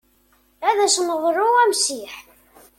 Ad sen-neḍlu amsiḥ.